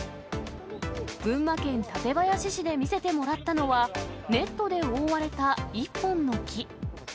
群馬県館林市で見せてもらったのは、ネットで覆われた１本の木。